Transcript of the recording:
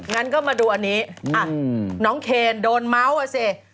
งั้นก็มาดูอันนี้น้องเคนโดนเมาส์อ่ะสิ